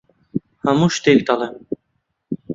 هەموو شتێک دەڵێم.